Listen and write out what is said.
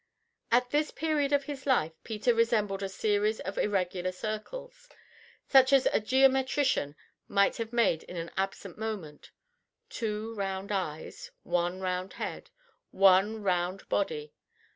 At this period of his life Peter resembled a series of irregular circles, such as a geometrician might have made in an absent moment: two round eyes, one round head, and one round body.